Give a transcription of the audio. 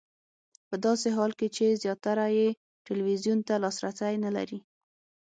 په داسې حال کې چې زیاتره یې ټلویزیون ته لاسرسی نه لري.